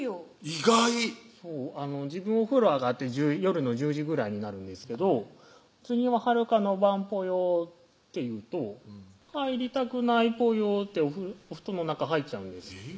意外自分お風呂上がって夜の１０時ぐらいになるんですけど「次は遥香の番ぽよ」って言うと「入りたくないぽよ」ってお布団の中入っちゃうんです